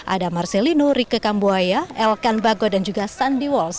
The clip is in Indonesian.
ada marcelino rike kambuaya elkan bago dan juga sandy wals